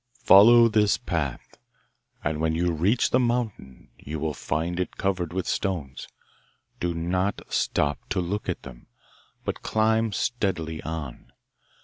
'Follow this path, and when you reach the mountain you will find it covered with stones. Do not stop to look at them, but climb steadily on.